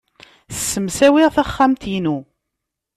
Ssemsawiɣ taxxamt-inu.